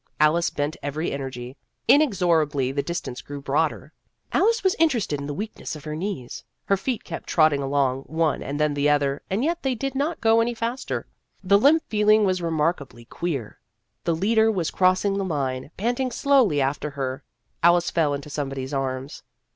Alice bent every energy. In exorably the distance grew broader. Alice was interested in the weakness of her knees. Her feet kept trotting along, one and then the other, and yet they did In Search of Experience 17 not go any faster. The limp feeling was remarkably queer. The leader was cross ing the line. Panting slowly after her, Alice fell into somebody's arms.